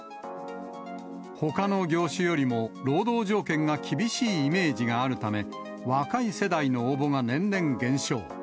ほかの業種よりも労働条件が厳しいイメージがあるため、若い世代の応募が年々減少。